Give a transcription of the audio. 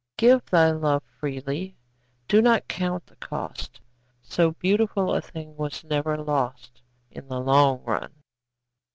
Give thy love freely; do not count the cost; So beautiful a thing was never lost In the long run.